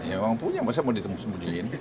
ya memang punya saya mau ditemus temusin